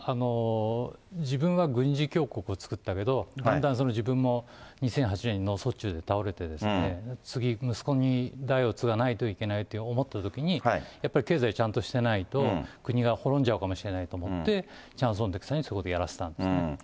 自分は軍事強国を作ったけど、だんだん、その自分も２００８年に脳卒中で倒れて、次、息子に代を継がないといけないと思ってるときに、やっぱり経済ちゃんとしてないと、国が亡んじゃうかもしれないと思って、チャン・ソンテクさんにそのときやらせたんですね。